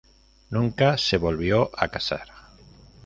Nunca se volvió a casar.